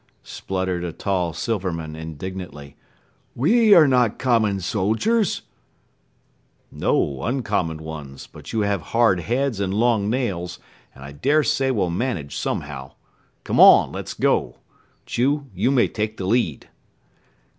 spluttered a tall Silverman indignantly. "We are not common soldiers." "No, very uncommon ones, but you have hard heads and long nails, and I dare say will manage somehow. Come on, let's go. Chew, you may take the lead."